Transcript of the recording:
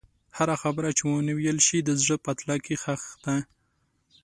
هره خبره چې ونه ویل شوه، د زړه په تله کې ښخ ده.